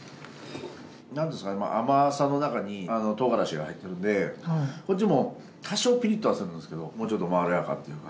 なんですか甘さの中に唐辛子が入ってるんでこっちも多少ピリッとはするんですけどもうちょっとまろやかっていうか。